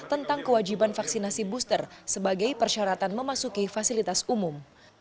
tentang kewajiban vaksinasi booster sebagai persyaratan memasuki fasilitas umum